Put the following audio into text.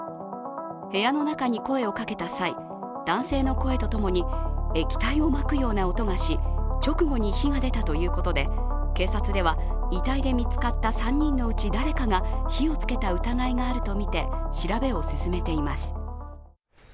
部屋の中に声をかけた際、男性の声とともに液体をまくような音がし、直後に火が出たということで警察では遺体で見つかった３人のうち、誰かが火をつけた疑いがあるとみて調べを進めています。